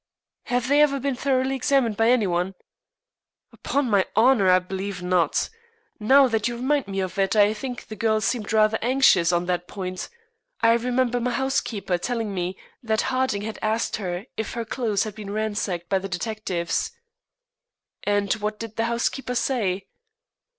"Have they ever been thoroughly examined by any one?" "'Pon my honor, I believe not. Now that you remind me of it I think the girl seemed rather anxious on that point. I remember my housekeeper telling me that Harding had asked her if her clothes had been ransacked by the detectives." "And what did the housekeeper say?"